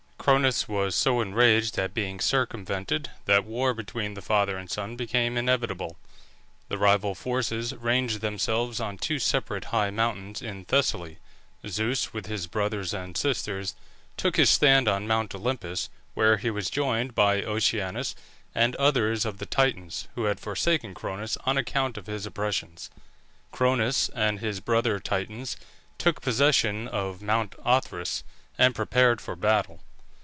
Cronus was so enraged at being circumvented that war between the father and son became inevitable. The rival forces ranged themselves on two separate high mountains in Thessaly; Zeus, with his brothers and sisters, took his stand on Mount Olympus, where he was joined by Oceanus, and others of the Titans, who had forsaken Cronus on account of his oppressions. Cronus and his brother Titans took possession of Mount Othrys, and prepared for battle.